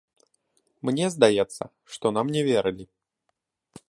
Мне здаецца, што нам не верылі.